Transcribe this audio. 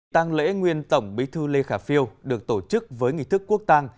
tăng lễ nguyên tổng bí thư lê khả phiêu được tổ chức với nghị thức quốc tàng